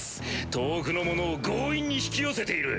遠くのものを強引に引き寄せている。